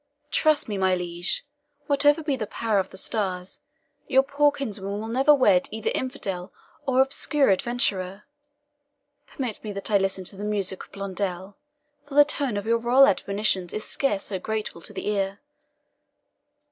"Trust me, my liege, whatever be the power of the stars, your poor kinswoman will never wed either infidel or obscure adventurer. Permit me that I listen to the music of Blondel, for the tone of your royal admonitions is scarce so grateful to the ear."